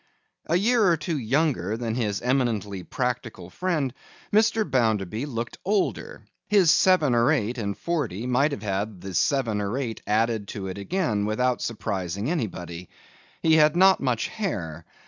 A year or two younger than his eminently practical friend, Mr. Bounderby looked older; his seven or eight and forty might have had the seven or eight added to it again, without surprising anybody. He had not much hair.